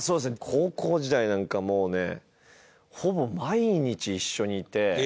高校時代なんかもうねほぼ毎日一緒にいて。